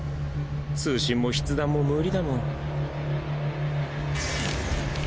通信も筆談も無理だもん